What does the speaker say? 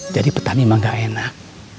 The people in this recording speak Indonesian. jadi petani memang gak enak